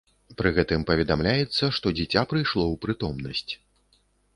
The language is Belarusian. Пры гэтым паведамляецца, што дзіця прыйшло ў прытомнасць.